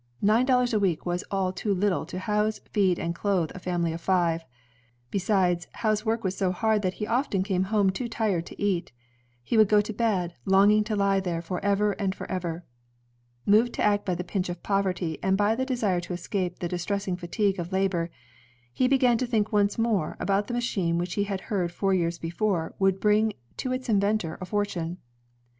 Nine dollars a week was all too little to house, feed, and clothe a family of five. Besides, Howe's work was so hard that he often came home too tired to eat. He would go to bed, longing to lie there forever and forever." Moved to act by the pinch of poverty and by the desire to escape the distress ing fatigue of labor, he began to think once more about the machine which he had heard four years before would bring to its inventor a fortune.